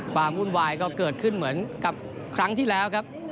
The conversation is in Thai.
วุ่นวายก็เกิดขึ้นเหมือนกับครั้งที่แล้วครับ